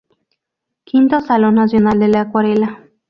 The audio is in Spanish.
V Salón Nacional de la acuarela.